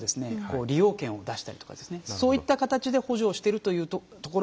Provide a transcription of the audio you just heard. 利用券を出したりとかですねそういった形で補助をしてるというところもですね